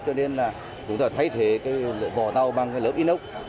cho nên là chúng ta thay thế cái vỏ tàu bằng cái lớp inox